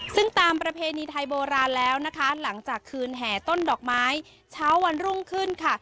ซึ่งตามประเพณีไทยโบราณแล้วนะคะหลังจากคืนแห่ต้นดอกไม้เช้าวันรุ่งขึ้นค่ะ